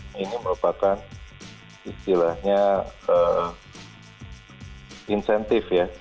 nah ini merupakan istilahnya insentif ya